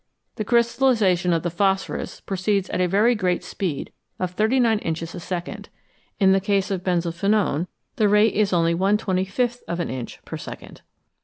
The crystallisation of the phosphorus proceeds at the very great speed of 39 inches a second ; in the case of benzophenone, the rate is only T^th of an inch per second.